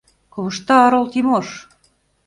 Ковышта орол Тимош!..